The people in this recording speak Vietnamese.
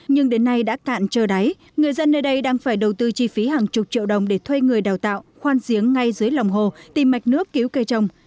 nhưng đến nay đã cạn trơ đáy người dân nơi đây đang phải đầu tư chi phí hàng chục triệu đồng để thuê người đào tạo khoan giếng ngay dưới lòng hồ tìm mạch nước cứu cây trồng